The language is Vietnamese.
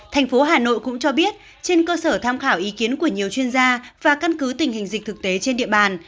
thành phố hà nội cũng cho biết trên cơ sở tham khảo ý kiến của nhiều chuyên gia và căn cứ tình hình dịch thực tế trên địa bàn